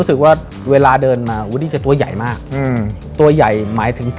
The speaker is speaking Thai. เหมือนกับคุณ